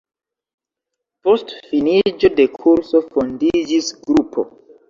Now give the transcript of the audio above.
Post finiĝo de kurso fondiĝis grupo.